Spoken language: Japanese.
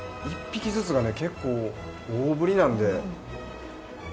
１匹ずつがね結構大ぶりなんで。